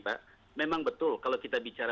pak memang betul kalau kita bicara